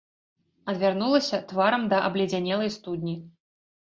Адвярнулася тварам да абледзянелай студні.